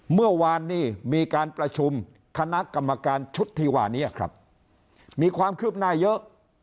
เมื่อวานนี้มีการประชุมคณะกรรมการชุดที่ว่านี้ครับมีความคืบหน้าเยอะ